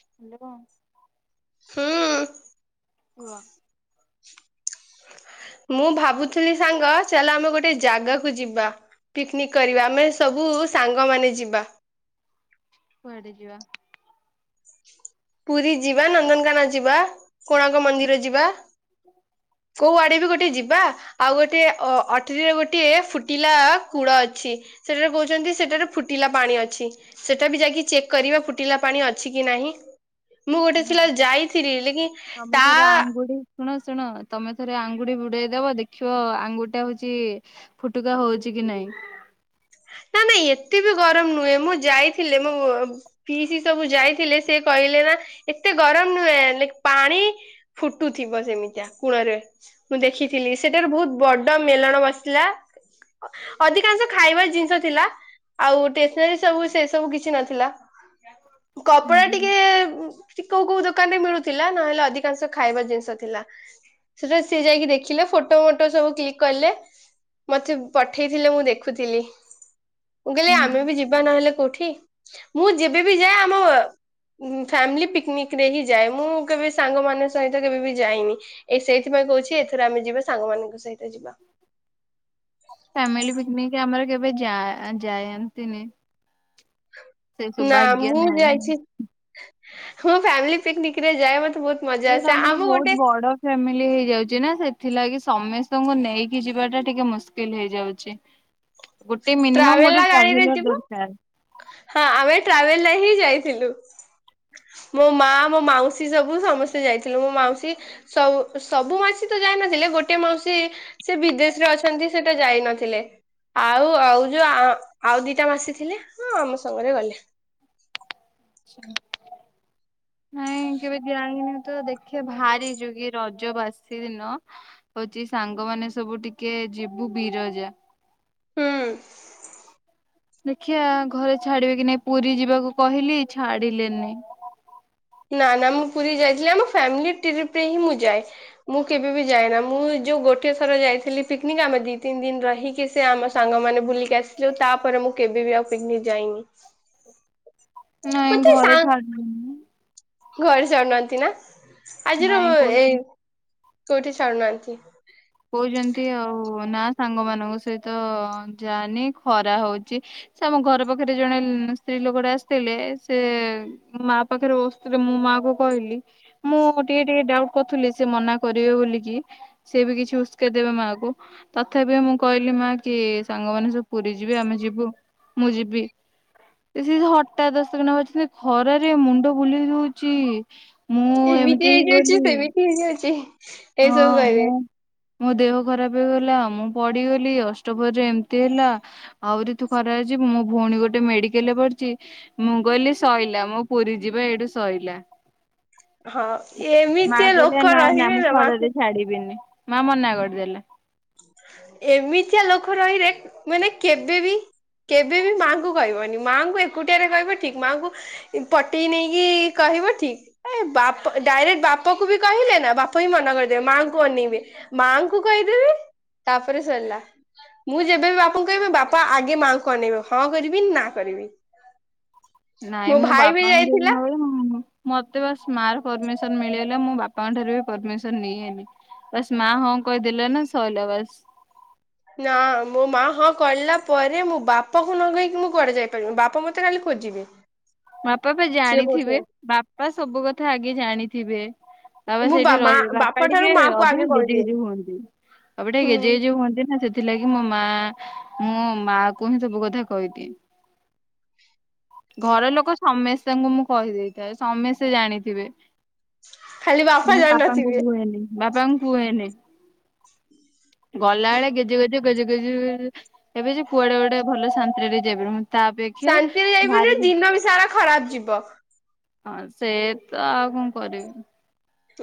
ହେଲେ କ ହୁଁ। [unintelligible] ମୁଁ ଭାବୁଥିଲି ସାଙ୍ଗ ଚାଲ ଆମେ ଗୋଟେ ଜାଗାକୁ ଯିବା। ପିକ୍ନିକ୍ କରିବା। ଆମେ ସବୁ ସାଙ୍ଗ ମାନେ ଯିବା। କୁଆଡ଼େ ଯିବା? ପୁରୀ ଯିବା, ନନ୍ଦନକାନ ଯିବା, କୋଣାର୍କ ମନ୍ଦିର ଯିବା। କୋଉଆଡ଼େ ବି ଗୋଟେ ଯିବା। ଆଉ ଗୋଟେ ଅ ଅଟ୍ରି ରେ ଗୋଟେଏ ଫୁଟିଲା କୂଅ ଅଛି। ସେଠାରେ କହୁଛନ୍ତି ସେଠାରେ ଫୁଟିଲା ପାଣି ଅଛି। ସେଟା ବି ଯାଇକି ଚେକ୍ କରିବା ଫୁଟିଲା ପାଣି ଅଛିକି ନାହିଁ। ମୁଁ ଗୋଟେ ହଁ ଥିଲା ଯାଇଥିଲି [unintelligible] ତମେ ତା ଥରେ ଆଙ୍ଗୁଠି ଶୁଣ ଶୁଣ ତମେ ଥରେ ଆଙ୍ଗୁଠି ବୁଡ଼େଇଦବ ଦେଖିବ ଆଙ୍ଗୁଠି ଟା ହୋଉଚି ଫୁଟୁକା ହଉଚି କି ନାଇଁ। ନା ନାଇଁ ଏତେ ବି ଗରମ ନୁହେଁ। ମୁଁ ଯାଇଥିଲି। ମୁଁ ପିଇସୀ ସବୁ ଯାଇଥିଲେ, ସେ କହିଲେ ନା ଏତେ ଗରମ୍ ନୁହେଁ। ଲିକ୍ ପାଣି ଫୁଟୁଥିବ ସେମିତିଆ କୂଅରେ। ମୁଁ ଦେଖିଥିଲି ସେଠାରେ ବହୁତ ବଡ ମେଲଣ ବସିଥିଲା। ଅଧିକାଂଶ ଖାଇବା ଜି ଜିନିଷ ଥିଲା। ଆଉ ଟେସ୍ନାରୀ ସବୁ ସେ ସବୁ କିଛି ନଥିଲା। କପଡ଼ା ଟିକେ ସେଠି କୋଉ କୋଉ ଦୋକାନ ରେ ମିଳୁଥିଲା। ନହେଲେ ଅଧିକାଂଶ ଖାଇବା ଜିନିଷ ଥିଲା। ସେଟାରେ ସିଏ ଯାଇକି ଦେଖିଲେ ଫୋଟୋ ମୋଟୋ ସବୁ କ୍ଲିକ୍ କଲେ। ମତେ ପଠେଇଥିଲେ ମୁଁ ଦେଖୁଥିଲି। ମୁଁ କହିଲି ହୁଁ ଆମେ ବି ଯିବା ନହେଲେ କୋଉଠି। ମୁଁ ଯେବେ ବି ଯାଏ ଆମ ଉଁ ଫ୍ୟାମିଲ୍ ପିକ୍ନିକ୍ ରେ ହିଁ ଯାଏ। ମୁଁ କେବେ ସାଙ୍ଗ ମାନେ ସହିତ କେବେ ବି ଯାଇନି। ଏ ସେଇଥିପାଇଁ କହୁଚି ଏଥର ଆମେ ଯିବା ସାଙ୍ଗମାନଙ୍କ ସହିତ ଯିବା। ଫ୍ୟାମିଲ୍ ପିକ୍ନିକ୍ ଆମର କେବେ ଯାଆ ଯାୟାନ୍ତିନି। ନା ମୁଁ ନାହିଁ। ଯାଇଛି। ମୁଁ ଫ୍ୟାମିଲ୍ ପିକ୍ନିକ୍ ରେ ଯାଏ ମତେ ବହୁତ ମଜା ଏଟା ଆସେ। ଆମର ଆମ ବହୁତ ଗୋଟେ ବଡ ଫ୍ୟାମିଲି ହେଇଯାଉଚି ନା ସେଥିଲାଗି ସମେସ୍ତଙ୍କୁ ନେଇକି ଯିବା ଟା ଟିକେ ମୁସ୍କିଲ୍ ହେଇଯାଉଚି। ଗୋଟେ ମିନିମମ୍ ଗୋଟେ ଟ୍ରାଭେଲା ଗାଡିରେ ଟ୍ରାଭେଲର୍ ଯିବୁ ଦରକାର। ହଁ ଆମେ ଟ୍ରାଭେଲରେ ହିଁ ଯାଇଥିଲୁ। ମୋ ମା ମୋ ମାଉସୀ ସବୁ ସମସ୍ତେ ଯାଇଥିଲୁ ମୋ ମାଉସୀ ସବୁ ସବୁ ମାଉସୀ ତ ଯାାଇନଥିଲେ ଗୋଟେଏ ମାଉସୀ ସେ ବିଦେଶ ରେ ଅଛନ୍ତି ସେ ତ ଯାଇ ନଥିଲେ। ଆଉ ଆଉ ଯୋଉ ଆ ଆଉ ଦିଟା ମାଉସି ଥିଲେ ହଁ ଆମ ସାଙ୍ଗରେ ଗଲେ। ଆଛା। ନାଇଁ କେବେ ଯାଣିନି ତ ଦେଖିଆ ଭାରି ଯୁଗି ରଜ ବାସି ଦିନ ହଉଚି ସାଙ୍ଗମାନେ ସବୁ ଟିକେ ଯିବୁ ବିରଜା। ହୁଁ। ଦେଖିଆ ଘରେ ଛାଡିବେ କି ନାଇଁ ପୁରୀ ଯିବାକୁ କହିଲି ଛାଡିଲେନି। ନା ନା ମୁଁ ପୁରୀ ଯାଇଥିଲି ଆମ ଫ୍ୟାମିଲି ଟ୍ରିପି ରେ ହିଁ ମୁଁ ଯାଏ। ମୁଁ କେବେ ବି ଯାଏନା ମୁଁ ଯୋଉ ଗୋଟେ ଥର ଯାଇଥିଲି ପିନିକି ଆମେ ଦି ତିନି ଦିନ ରହିକି କି ସେ ଆମ ସାଙ୍ଗମାନେ ବୁଲିକି ଆସଚୁ ତାପରେ ମୁଁ କେବେ ବିି ଆଉ ପିକନିକ ଯାଇନି। ନାଇଁ ମତେ ଘରେ ସାଙ୍ଗ ଛାଡୁନା ଘରେ ଛାଡୁନାହାନ୍ତି ନା ଆଜିର ନାଇଁ କହୁଛନ୍ତି। ଏଇ କୋଉଠି ଛାଡୁନାହାନ୍ତି। କହୁଚନ୍ତି ଆଉ ନା ସାଙ୍ଗ ମାନଙ୍କ ସହିତ ଯାନି ଖରା ହଉଚି। ସେ ଆମ ଘର ପାଖରେ ଜଣେ ସ୍ତ୍ରୀ ଲୋକଟେ ଆସିଥିଲେ ସେ ମୋ ମା ପାଖରେ ବସିଥିଲେ ମୁଁ ମା କୁ କହିଲି। ମୁଁ ଟିକେ ଟିକେ ଡାଉଟ୍ କରୁଥିଲି ସେ ମନା କରିବେ ବୋଲିକି ସେ ବି କିଛି ଉସୁକେଇ ଦେବେ ମାକୁ। ତଥାବି ମୁଁ କହିଲି ମା କି ସାଙ୍ଗମାନେ ସବୁ ପୁରୀ ଯିବେ ଆମେ ଯିବୁ ମୁଁ ଯିବି। ସେ ଯୋଉ ହଟାଦସ୍ତ କିନା [unintelligible] ଖରାରେ ମୁଣ୍ଡ ବୁଲେଇ ଦୋଉଚି। ଏମିତି ହେଇଯାଉଚି ସେମିତି ହେଇଯାଉଚି ଏଇ ସବୁ ହଁ କହିବେ। ମୁଁ ମୋ ଦେହ ଖରାପ ହେଇଗଲା ମୁଁ ପଡିଗଲି ଅଷ୍ଟପହରିରେ ଏମିତି ହେଲା। ଆହୁରି ତୁ ଖରା ରେ ଯିବୁ ମୋ ଭଉଣୀ ଗୋଟେ ମେଡିକାଲ ରେ ପଡିଚି। ମୁଁ କହିଲି ଶଇଲା ମୋ ପୁରୀ ଯିବା ଏଇଠୁ ଶଇଲା। ହଁ ଏମିତିଆ ଲୋକ ରହିବେ ଯମା ଛାଡି ବେନି ମା ମନା କରିଦେଲେ। ଏମିତିଆ ଲୋକ ରହିଲେ ମାନେ କେବେ ବି କେବେ ବି ମାଙ୍କୁ କହିବନି ମାଆଙ୍କୁ ଏକୁଟିଆ ରେ କହିବ ଠିକ୍ ମାଙ୍କୁ ପଟେଇ ନେଇକି କହିବ ଠିକ୍। ଏ ବାପ ଡାଇରେକ୍ଟ ବାପା କୁ ବି କହିଲେ ନା ବାପା ହିଁ ମନା କରିଦେବେ ମାଙ୍କୁ ଅନେଇବେ ମାଙ୍କୁ କହିଦେବି ତାପରେ ସରିଲା। ମୁଁ ଯେବେ ବି ବାପାଙ୍କୁ କହିବି ବାପା ଆଗେ ମାଆଙ୍କୁ ଅନଇବ ହଁ କରିବି ନା କରିବି। ନାଇଁ ମୋ ମୁଁ ଭାଇ ବି ବାପା ମତେ ଯାଇଥିଲା ମନା କରିବେ ମତେ ବାସ୍ ମାର ପରର୍ମିସନ୍ ମିଳିଗଲେ ମୋ ବାପାଙ୍କଠାରୁ ବି ପରର୍ମିସନ ନିଏନି। ବାସ୍ ମା ହଁ କହିଦେଲେ ନା ସଇଲା ବାସ୍। ନା ମୋ ମା ହଁ କହିଲା ପରେ ମୋ ବାପାକୁ ନ କହିକି ମୁଁ କୁଆଡେ ଯାଇପାରିବିନି ବାପା ମତେ ମତେ ଖାଲି ଖୋଜିବେ। ବାପା ପା ସିଏ ଜାଣିଥିବେ କହୁଥିବେ ବାପା ସବୁ କଥା ଆଗେ ଜାଣିଥିବେ। ବାପା ମୁଁ ବା ସେଇଠି ମା ରହି ବାପା ଠାରୁ ଟିକେ ମାଆକୁ ଆଗେ ଅଧିକ ଗେଜେ କହିଦିଏ। ଗେଜେ ହୁଅନ୍ତି। ବାପା ଟିକେ ହୁଁ ଗେଜେ ଗେଜେ ହୁଅନ୍ତି ନା ସେ ସେ ଥିଲାଗି ମୋ ମା ମୁଁ ମା କୁ ହିଁ ସବୁ କଥା କହିଦିଏ। ଘର ଲୋକ ସମେସ୍ତେଙ୍କୁ ମୁଁ କହିଦେଇଥାଏ ସମେସ୍ତେ ଜାଣିଥିବେ। ଖାଲି ବାପା ମୁଁ ପାପାଙ୍କୁ ଜାଣିନଥିବେ କୁହେନି। ବାପାଙ୍କୁ କୁହେନି ଗଲା ବେଳେ ଗେଜେ-ଗେଜେ-ଗେଜେ- ଗେଜେ ଏବେ ଯେ କୁଆଡେ ଗୋଟେ ଭଲ ଶାନ୍ତିରେ ଟିକେ ଯାଇପାରିବୁନି ତା ଅପେକ୍ଷା ଶାନ୍ତିରେ ଯାଇପାରିବନି ବାହାରିକି ବି ଦିନ ସାରା ଖରାପ ଯିବ। ହଁ ସେୟାତ ଆଉ କଣ କରିବି।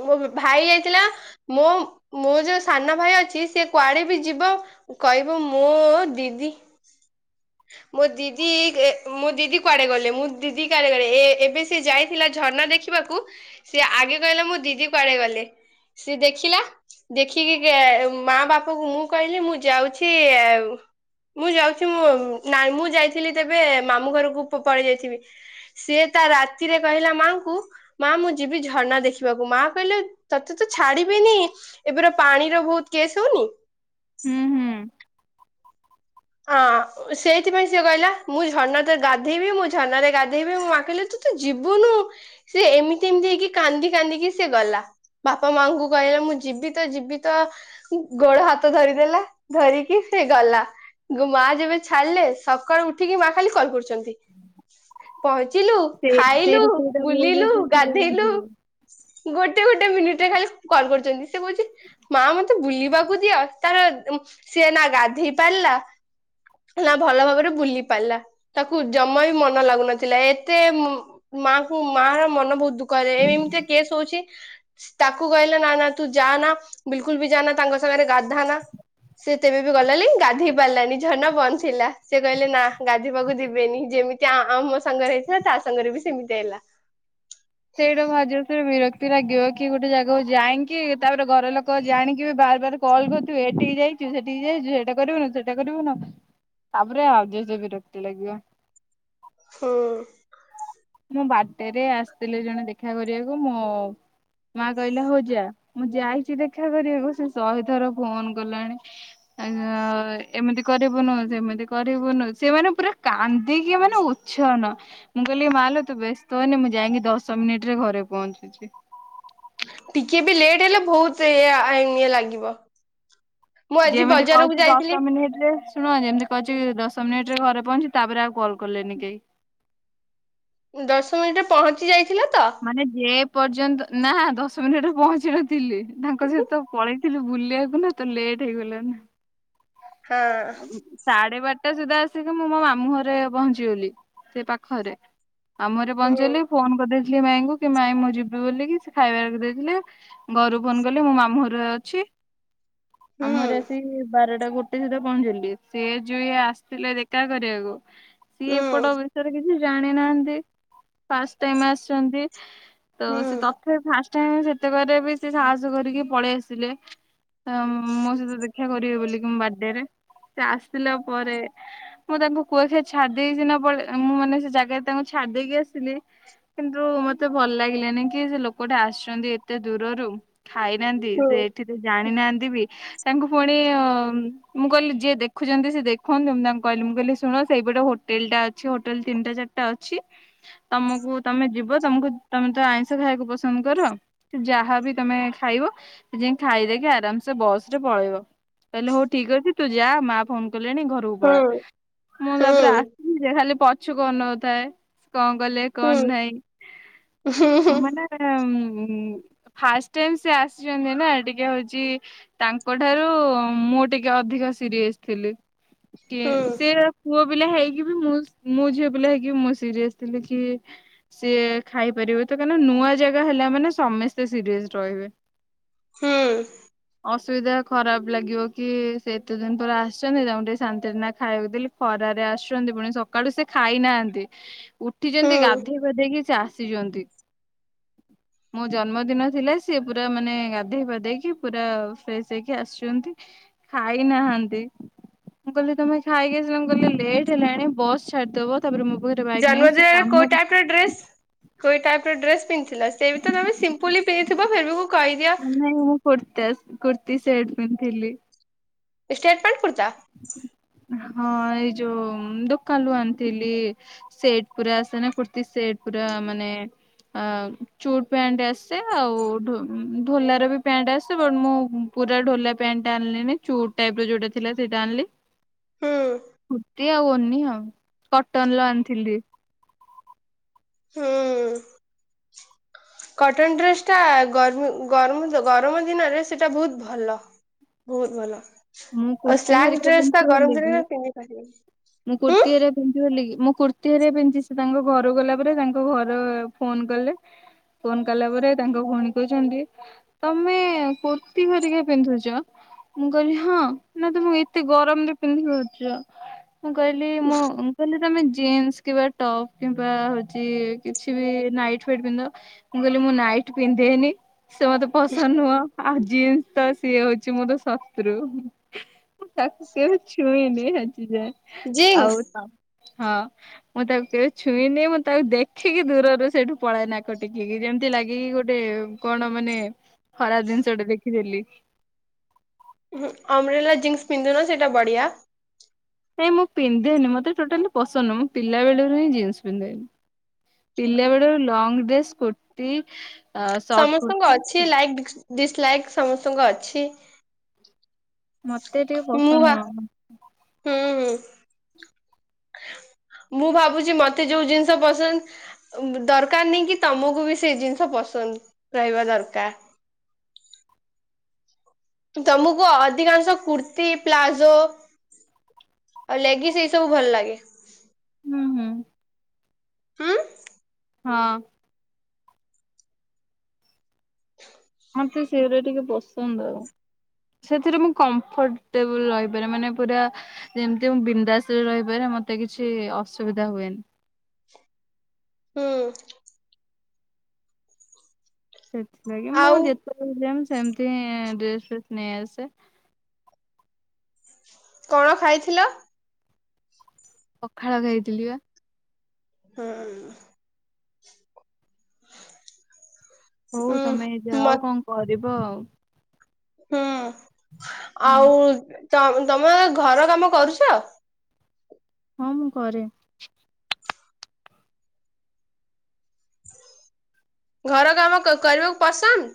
ମୋ ଭାଇ ଆଇଥିଲା ମୋ-ମୋ ଯୋଉ ସାନ ଭାଇ ଅଛି ସି କୁଆଡେ ବି ଯିବ କହିବ ମୋ ଦିଦି ମୋ ଦିଦି ଗେ ମୋ ଦିଦି କୁଆଡେ ଗଲେ ମୁଁ ଦିଦି କୁଆଡେ ଗଲେ ଏବେ ସିଏ ଯାଇଥିଲା ଝରଣା ଦେଖି ସିଏ ଆଗେ କହିଲା ମୋ ଦିଦି କୁଆଡେ ଗଲେ ସିଏ ଦେଖିଲା। ଦେଖିକି ମା ବାପାକୁ ମୁଁ କହିଲି ମୁଁ ଯାଉଛି ଆଉ। ମୁଁ ଯାଉଛି ମୁଁ ନାଇଁ ମୁଁ ଯାଇଥିଲି ତେବେ ମାମୁଁ ଘରକୁ ପ ପଳେଇ ଯାଇଥିବି। ସିଏ ତା ରାତିରେ କହିଲା ମାଙ୍କୁ ମା ମୁଁ ଯିବି ଝର୍ଣା ଦେଖି ବାକୁ ମା କହିଲେ ତତେ ତ ଛାଡିବିନି। ଏବେର ପାଣିର ବୋହୁତ କେସ୍ ହଉନି? ହୁଁ ହୁଁ। ହଁ। ସେଇଥିପାଇଁ ସିଏ କହିଲା ମୁଁ ଝର୍ଣାରେ ଗାଧେଇବି ମୁଁ ଝର୍ଣାରେ ଗାଧେଇବି ମୋ ମା କହିଲା ତୁ ତ ଯିବୁନୁ। ସିଏ ଏମିତି ଏମିତି ହେଇକି କାନ୍ଦି କାନ୍ଦିକି ସିଏ ଗଲା। ବାପା ମାଙ୍କୁ କହିଲା ମୁଁ ଯିବି ତ ଯିବି ତ। ଗୋଡ ହାତ ଧରିଦେଲା ଧରିକି ସେ ଗଲା। ମା ଯେବେ ଛାଡିଲେ ସକାଳୁ ଉଠିକି ମା ଖାଲି କଲ୍ କରୁଛନ୍ତି। ପହଞ୍ଚିଲୁ, ସେ ଖାଇଲୁ, ସେଇଠି ସେଇଟା ବହୁତ ବୁଲିଲୁ, ଜୋରସେ ଚିଡ ଗାଧେଇଲୁ ଲାଗିବ। ଗୋଟେ-ଗୋଟେ ମିନିଟରେ ଖାଲି କଲ୍ କରୁଛନ୍ତି ସେ କହୁଛି ମା ମତେ ବୁଲିବାକୁ ଦିଅ। ତାର ସିଏ ନା ଗାଧେଇ ପାରିଲା ନା ଭଲ ଭାବରେ ବୁଲି ପାରିଲା। ତାକୁ ଜମା ବି ମନ ଲାଗୁନଥିଲା ଏତେ ମ ମାଙ୍କୁ ମା ର ମନ ବୋହୁତ ଦୁଖ କହିଲେ ଏମିତି କେସ୍ ହଉଛି। ତାକୁ କହିଲେ ନା-ନା ତୁ ଯା ନା ବିଲକୁଲ ବି ଯା ନା ତାଙ୍କ ସାଙ୍ଗରେ ଗାଧାନା। ସେ ତେବେ ବି ଗଲାନି ଗାଧେଇ ପାରିଲାନି ଝର୍ଣା ବନ୍ଦ ଥିଲା ସେ କହିଲେ ନା ଗାଧୋଇବାକୁ ଯିବେନି, ଯେମିତି ଆମ ସାଙ୍ଗରେ ହେଇଥିଲା ତା ସାଙ୍ଗରେ ବି ସେମିତି ହେଲା। ସେଇଟା ଭାରି ଜୋରେ ଫେରେ ବିରକ୍ତି ଲାଗିବ କି ଗୋଟେ ଜାଗାକୁ ଯାଇଁକି ତାପରେ ଘର ଲୋକ ଜାଣିକି ବି ବାର୍ ବାର୍ କଲ୍ କରୁଥିବେ ଏଠିକି ଯାଇଛୁ ସେଠିକି ଯାଇଛୁ ଏଇଟା କରିବୁନୁ ସେଇଟା କରିବୁନୁ। ତାପରେ ଆଉ ଜୋରସେ ବିରକ୍ତି ଲାଗିବ। ହୁଁ। ମୁଁ ବାର୍ଥଡେ ରେ ଆସିଥିଲେ ଜଣେ ଦେଖା କରିବାକୁ ମୋ ମା କହିଲା ହଉ ଯା ମୁଁ ଯାଇଛି ଦେଖା କରିବାକୁ ସେ ଶହେ ଥର ଫୋନ କଲାଣି। ଆ ଏମିତି କରିବୁନୁ ସେମିତି କରିବୁନୁ ସେ ମାନେ ପୁରା କାନ୍ଦିକି ମାନେ ଉ ଉଛନ ମୁଁ କହିଲି ମାଲୋ ତୁ ବ୍ୟସ୍ତ ହୋନି ମୁଁ ଯାଇକି ଦଶ ମିନିଟ ରେ ଘରେ ପହଞ୍ଚୁଛି। ଟିକେ ବି ଲେଟ୍ ହେଲେ ବୋହୁତ ଏୟା ଆଇନ ଇଏ ଲାଗିବ। ମୁଁ ଆଜି ଯେମିତି ବଜାରକୁ କହିଛି ଦଶ ଯାଇଥିଲି ମିନିଟ ରେ ଶୁଣ ଯେମିତି ମୁଁ ଆସି ଦଶ ମିନିଟ ରେ ଘରେ ପହଞ୍ଚି ତାପରେ ଆଉ କଲ୍ କଲେନି କେହି। ଦଶ ମିନିଟରେ ପହଞ୍ଚି ଯାଇଥିଲ ତ। ମାନେ ଯେ ପର୍ଯ୍ୟନ୍ତ ନା ଦଶ ମିନିଟରେ ପହଞ୍ଚି ନଥିଲି ତାଙ୍କ ହଁ ସହିତ ପଳେଇ ଥିଲୁ ବୁଲିବାକୁ ନା ତ ଲେଟ୍ ହେଇଗଲା ନା ହଁ। ସାଢେ ବାରଟା ସୁଦ୍ଧା ଆସିକି ମୁଁ ମୋ ମାମୁ ଘରେ ପହଞ୍ଚିଗଲି ସେ ପାଖରେ। ମାମୁଁ ଘରେ ହୁଁ ପହଞ୍ଚିଗଲି ଫୋନ କରିଦେଇଥିଲି ମାଇଙ୍କୁ କି ମାଇ ମୁଁ ଯିବି ବୋଲିକି ସେ ଖାଇବା ବି ଦେଇଥିଲେ। ଘରୁ ଫୋନ କଲି ମୁଁ ମାମୁଁ ଘରେ ଅଛି ଆମ ଘରେ ଆସି ବାରଟା। ଟା ଗୋଟେ ସିଧା ପହଞ୍ଚିଗଲି ସିଏ ଯୁ ଇଏ ଆସିଥିଲେ ଦେଖା କରିବାକୁ। ସିଏ ଏପଟ ବିଷୟରେ କିଛି ଜାଣି ନାହାନ୍ତି ଫାଷ୍ଟ ଟାଇମ ଆସିଛନ୍ତି। ତ ସେ ତଥାପି ଫାଷ୍ଟ ଟାଇମ ସେତେକ ରେ ବି ସେ ସାହସ କରିକି ପଳେଇ ଆସିଲେ। ମୋ ସହିତ ଦେଖା କରିବେ ବୋଲିକି ମୋ ବାର୍ଥଡେରେ ସେ ଆସିଲା ପରେ ମୁଁ ତାଙ୍କୁ କ ଛାଡି ଦେଇଚିନା ପଳେ ମୁଁ ମାନେ ସେ ଜାଗାରେ ତାଙ୍କୁ ଛାଡି ଦେଇକି ଆସିଲି। କିନ୍ତୁ ମତେ ଭଲ ଲାଗିଲାନି କି ସେ ଲୋକଟା ଆସିଚନ୍ତି ଏତେ ଦୂରରୁ ଖାଇନାହାନ୍ତି ସେ ଏଠି ତ ଜାଣିନାହାନ୍ତି ବି ତାଙ୍କୁ ପୁଣି ଅ ହୁଁ- ମୁଁ କହିଲି ଯିଏ ଦେଖୁଚନ୍ତି ସେ ଦେଖନ୍ତୁ ମୁଁ ତାଙ୍କୁ କହିଲି ମୁଁ କହିଲି ଶୁଣ ସେଇପଟେ ହୋଟେଲ୍ ଟା ଅଛି ହୋଟେଲ ତିନିଟା ଚାରଟା ଟା ଅଛି ତମକୁ ତମେ ଯିବ ତମକୁ ତମେ ତ ଆଇଁଷ ଖାଇବାକୁ ପସନ୍ଦ୍ କର ଯାହାବି ତମେ ଖାଇବ ଯାଇଁକି ଖାଇଦେଇକି ଆରାମ୍ ସେ ବସ୍ ରେ ପଳେଇବ। କହିଲେ ହଉ ଠିକ୍ ଅଛି ତୁ ଯା ମା ଫୋନ୍ କଲେଣି ଘରକୁ ପଳା। ମୁଁ ତାପରେ ଆସିଲି ଯେ ଖାଲି ପଛକୁ ଅନଉଥାଏ କଣ୍ କଲେ କଣ ନାହିଁ ମାନେ ଉଁ ଫାଷ୍ଟ୍ ଟାଇମ ସେ ଆସିଚନ୍ତି ନା ଟିକେ ହଉଚି ତାଙ୍କଠାରୁ ମୁଁ ଟିକେ ଅଧିକ ସିରିଏସ୍ ଥିଲି କି ସିଏ ପୁଅ ପିଲା ହେଇକି ବି ମୁଁ -ମୁଁ ଝିଅ ପିଲା ହେଇକି ମୁଁ ସିରିଏସ୍ ଥିଲି କି ସିଏ ଖାଇପାରିବେ ତ କାଇନା ନୂଆ ଜାଗା ହେଲା ମାନେ ସମସ୍ତେ ସିରିଏସ୍ ରହିବେ। ହୁଁ। ଅସୁବିଧା ଖରାପ୍ ଲାଗିବ କି ସେ ଏତେ ଦିନ ପରେ ଆସିଚନ୍ତି ତାଙ୍କୁ ଟିକେ ଶାନ୍ତିରେ ନା ଖାଇବାକୁ ଦେଲି ଖରାରେ ଆସୁଚନ୍ତି ପୁଣି ସ ସକାଳୁ ସେ ଖାଇନାହାନ୍ତି ଉଠିଚନ୍ତି ଗାଧେଇ ପାଧେଇକି ସେ ଆସିଚନ୍ତି। [unintelligible] ମୋ ଜନ୍ମଦିନ ଥିଲା ସିଏ ପୁରା ମାନେ ଗାଧେଇ ପାଧେଇକି ପୁରା ଫ୍ରେଶ୍ ହେଇକି ଆସ୍ ଆସିଚନ୍ତି ଖାଇ ନାହାନ୍ତି। ମୁଁ କହିଲି ତମେ ଖାଇକି ଆସିଲ ମୁଁ କହିଲେ ଲେଟ୍ ହେଲାଣି ବସ୍ ଛାଡିଦବ ତାପରେ ମୋ ପାଖରେ ବାଇକ୍ ନାହିଁ ସେ କାମ ଡ୍ରେସ୍। ହୋଇ ଟାଇପ୍ ର ଡ୍ରେସ୍ ପିନ୍ଧଥିଲା ସେ ବି ତମେ ସିମ୍ପଲି ପିନ୍ଧଥିବ ଫିରଭି ମୁଁ କହିଦିଅ ନାଇଁ ମୁଁ କୁର୍ତ୍ତା କୁର୍ତ୍ତିୀ ସେଟ୍ ପିନ୍ଧଥିଲି। ଷ୍ଟେଟମେଣ୍ଟ୍ କୁର୍ତ୍ତା? ହଁ ଏଇ ଯଉ ଦୁକାନ୍ ରୁ ଆଣିଥିଲି। ସେଟ୍ ପୁରା ଆସେ ନା କୁର୍ତ୍ତୀ ସେଟ୍ ପୁରା ମାନେ ଆ- ଚୁଟ୍ ପ୍ୟାଣ୍ଟ ଆସେ ଆଉ ଢୋ-ଢୋଲାର ବି ପ୍ୟାଣ୍ଟ୍ ଆସେ ବଟ୍ ମୁଁ ପୁରା ଢୋଲା ପ୍ୟାଣ୍ଟ୍ ଟା ଆଣିଲିନି ଚୁଟ୍ ଟାଇପ୍ ର ଯଉଟା ଥିଲା ସେଇଟା ଆଣିଲି। ହୁଁ। କୁର୍ତ୍ତି ଆଉ ଓନି ଆଉ କଟନ୍ ଲ ଆଣିଥିଲି। [unintelligible] [unintelligible] କଟନ୍ ଡ୍ରେସ୍ ଟା ଗରମି- ଗରମ- ଗରମ୍ ଦିନରେ ସେଟା ବହୁତ୍ ଭଲ। ବହୁତ୍ ଭଲ ମୁଁ ଆଉ କୁର୍ତ୍ତି ସ୍ଲାକ୍ ହେରିକା ଡ୍ରେସ୍ ଟା ପିନ୍ଧୁଛି ଗରମ୍ ବୋଲିକି ଦିନରେ ପିନ୍ଧିପାରିବନି। ମୁଁ କୁର୍ତ୍ତିୀ ହେରା ପିନ୍ଧଚି ବୋଲିକି ମୁଁ କୁର୍ତ୍ତୀ ହେରା ପିନ୍ଧିଚି ସେ ତାଙ୍କ ଘର ଗଲାକୁ ଗଲା ପରେ ତାଙ୍କ ଘର ଫୋନ୍ କଲେ ଫୋନ୍ କଲା ପରେ ତାଙ୍କ ଭଉଣୀ କହୁଚନ୍ତି ତମେ କୁର୍ତ୍ତି ହରିକା ପିନ୍ଧୁଚ ମୁଁ କହିଲି ହଁ ନା ତୁମେ ଏତେ ଗରମ୍ ରେ ପିନ୍ଧିପାରୁଚ ମୁଁ କହିଲି ମୁଁ ମୁଁ କହିଲି ତମେ ଜିନ୍ସ୍ କିବା ଟପ୍ କିମ୍ବା ହଉଚି କିଛି ବି ନାଇଟ୍ ଫାଇଟ୍ ପିନ୍ଧ ମୁଁ କହିଲି ମୁଁ ନାଇଟ୍ ପିନ୍ଧେନି। ସେ ମତେ ପସନ୍ଦ୍ ନୁହଁ ଆଉ ଜିନ୍ସ ତ ସିଏ ହଉଚି ମୋର ଶତ୍- ଶତ୍ରୁ ମୁଁ ତାକୁ କେବେ ଛୁଇଁନି ଆଜି ଯାଏ ଜିନ୍ସ ଆଉ ହଁ। ମୁଁ ତାକୁ କେବେ ଛୁଇଁନି ମୁଁ ତାକୁ ଦେଖିକି ଦୂରରୁ ସେଇଠୁ ପଳାଏ ନାକ ଟେକିକି ଯେମିତି ଲାଗେ କି ଗୋଟେ କଣ ମାନେ ଖରାପ୍ ଜିନ୍ଷ ଟେ ଦେଖିଦେଲି। ଉଁ- ହୁଁ ଅମରେଲା ଜିନ୍ସ ପିନ୍ଧୁନ ସେଟା ବଢ଼ିଆ। ନାଇଁ ମୁଁ ପିନ୍ଧେନି ମତେ ଟୋଟାଲି ପସନ୍ଦ ନୁହଁ ପିଲାବେଳରୁ ହିଁ ଜିନ୍ସ ପିନ୍ଧେନି। ପିଲା ବେଳରୁ ଲଙ୍ଗ୍ ଡ୍ରେସ, କୁର୍ତ୍ତି ସର୍ଟ ସମସ୍ତଙ୍କୁ କୁର୍ତ୍ତି ଅଛି ଲାଇକ୍ ଡିସ-ଡିସଲାଇକ୍ ସମସ୍ତଙ୍କୁ ଅଛି। ମତେ ଟିକେ ମୁଁ ଭା ପସନ୍ଦ ନୁହଁ। ହୁଁ ହୁଁ। ମୁଁ ଭାବୁଛି ମତେ ଯୋଉ ଜିନିଷ ପସନ୍ଦ ଉଁ ଦରକାର ନି କି ତମକୁ ବି ସେଇ ଜିନିଷ ପସନ୍ଦ ରହିବା ଦରକାର। ତମକୁ ଅଧିକାଂଶ କୁର୍ତ୍ତି ପ୍ଲାଜୋ ଆଉ ଲେଗିସ୍ ଏଇ ସବୁ ଭଲ ଲାଗେ। ହୁଁ ହୁଁ। ହୁଁ ହଁ। ମତେ ସେଉରା ଟିକେ ପସନ୍ଦ। ସେଥିରେ ମୁଁ କମ୍ଫର୍ଟେବଲ ରହିପାରେ ମାନେ ପୁରା ଯେମତି ମୁଁ ବିନ୍ଦାସରେ ରହିପାରେି ମତେ କିଛି ଅସୁବିଧା ହୁଏନି। ହୁଁ। ସେଥିଲାଗି ମୁଁ ଆଉ ଯେତେବେଳେ ଯାଏ ମୁଁ ସେମତି ଡ୍ରେସ ଫ୍ରେସ ନେଇ ଆସେ। କଣ ଖାଇଥିଲ। ପଖାଳ ଖାଇଥିଲି ବା। ହୁଁ। ହଉ ତମେ ମ ଯାଅ କଣ କରିବ ଆଉ। ହୁଁ ହୁଁ ଆଉ ତମ ତମେ ଘର କାମ କରୁଛ। ହଁ ମୁଁ କରେ। ଘର କାମ କ କରିବାକୁ ପସନ୍ଦ।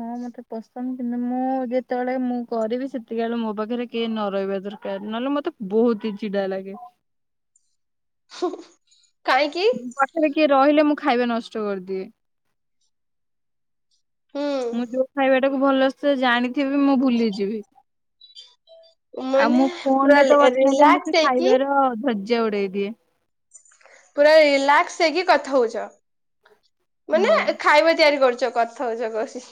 ହଁ ମତେ ପସନ୍ଦ କିନ୍ତୁ ମୁଁ ଯେତେବେଳେ ମୁଁ କରିବି ସେତିକା ବେଳେ ମୋ ପାଖରେ କେହି ନ ରହିବା ଦର କାର ନହେଲେ ମତେ ବହୁତ ହି ଚିଡା ଲାଗେ। କାଇଁକି। ଖରେ କିଏ ରହିଲେ ମୁଁ ଖାଇବା ନଷ୍ଟ କରିଦିଏ। ହୁଁ ମୁଁ ଯୋଉ ଖାଇବା ଟାକୁ ଭଲସେ ଜାଣିଥିବି ମୁଁ ଭୁଲିଯିବି। ଆଉ ମାନେ ମୁଁ ପୁରା ଫୋନରେ ତ କଥା ହେଲେ ମୁଁ ରିଲାକ୍ସ ସେ ହେଇକି ଖାଇବାର ଧର୍ଯ୍ୟା ଉଡେଇ ଦିଏ। ପୁରା ରିଲାକ୍ସ ହେଇକି କଥା ହଉଛ ହଁ। ମାନେ ଖାଇବା ତିଆରି କରୁଛ କଥ ଥା ହଉଚ କହୁଚି।